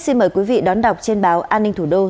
xin mời quý vị đón đọc trên báo an ninh thủ đô